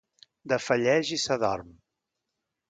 Defalleix i s'adorm.